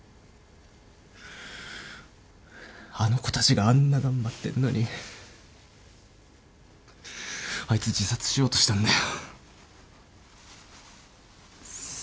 あの子たちがあんな頑張ってんのにあいつ自殺しようとしたんだよ。